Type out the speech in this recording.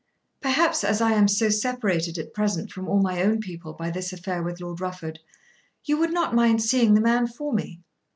"Perhaps as I am so separated at present from all my own people by this affair with Lord Rufford, you would not mind seeing the man for me."